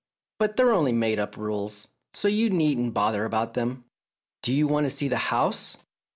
But they're only make up rules, so you needn't bother about them. Don't you want to see the house?"